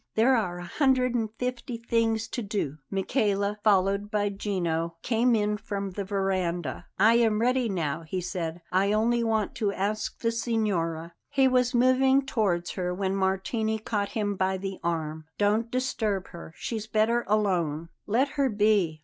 There are a hundred and fifty things to do!" Michele, followed by Gino, came in from the verandah. "I am ready now," he said. "I only want to ask the signora " He was moving towards her when Martini caught him by the arm. "Don't disturb her; she's better alone." "Let her be!"